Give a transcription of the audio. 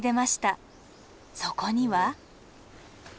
そこには。